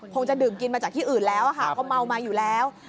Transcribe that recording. คงจะดื่มกินมาจากที่อื่นแล้วค่ะก็เมามาอยู่แล้ว